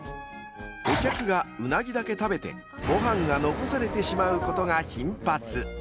［お客がうなぎだけ食べてご飯が残されてしまうことが頻発］